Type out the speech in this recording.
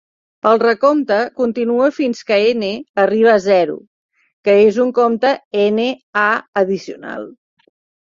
El recompte continua fins que N arriba a zero, que és un compte N - A addicional.